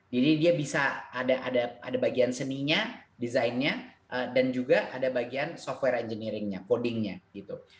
jadi dia bisa ada bagian seninya designnya dan juga ada bagian software engineeringnya codingnya gitu